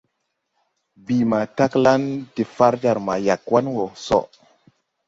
Bìi ma taglan de far jar ma Yagouan wɔ sɔ.